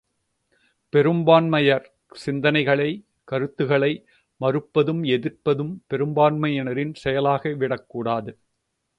பெரும்பான்மையர் சிந்தனைகளை, கருத்துகளை மறுப்பதும் எதிர்ப்பதும் பெரும்பான்மையினரின் செயலாகிவிடக் கூடாது.